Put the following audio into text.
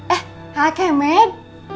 eh ha kemet